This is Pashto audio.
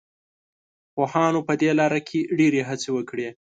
پوهانو په دې لاره کې ډېرې هڅې وکړې.